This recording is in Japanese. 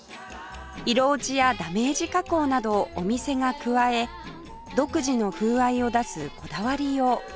色落ちやダメージ加工などをお店が加え独自の風合いを出すこだわりよう